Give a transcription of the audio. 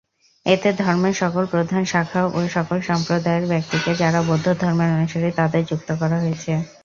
এতে ধর্মের সকল প্রধান শাখা ও সকল সম্প্রদায়ের ব্যক্তিকে, যারা বৌদ্ধ ধর্মের অনুসারী তাদের যুক্ত করা হয়েছে।